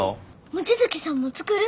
望月さんも作る？